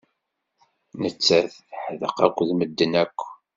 Nettat teḥdeq akked medden akk.